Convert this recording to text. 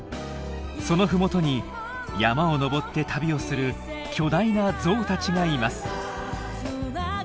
そのふもとに山を登って旅をする巨大なゾウたちがいます。